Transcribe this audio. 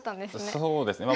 そうですね。